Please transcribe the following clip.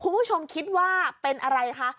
คุณผู้ชมคิดว่าเป็นอะไรคะ